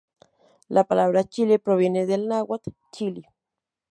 La palabra chile proviene del náhuatl "chilli".